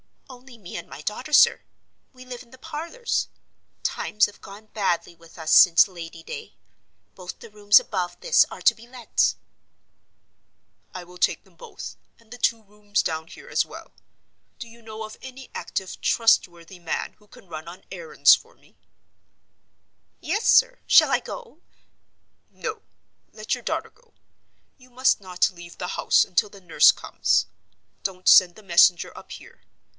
"Only me and my daughter, sir; we live in the parlors. Times have gone badly with us since Lady Day. Both the rooms above this are to let." "I will take them both, and the two rooms down here as well. Do you know of any active trustworthy man who can run on errands for me?" "Yes, sir. Shall I go—?" "No; let your daughter go. You must not leave the house until the nurse comes. Don't send the messenger up here.